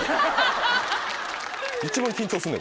一番緊張すんねん